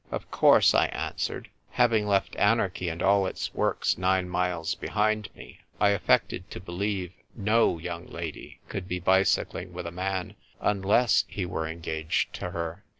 "Of course," I answered. Having left anarchy and all its works nine miles behind me, I affected to believe no young lady could be bicycling with a man unless he were en gaged to her.